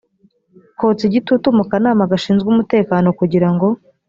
kotsa igitutu mu kanama gashinzwe umutekano kugira ngo